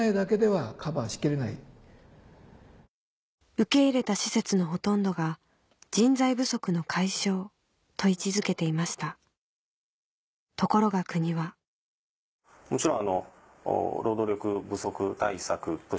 受け入れた施設のほとんどが人材不足の解消と位置づけていましたところが国はもちろん。